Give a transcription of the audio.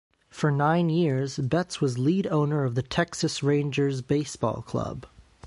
For nine years, Betts was lead owner of the Texas Rangers Baseball Club.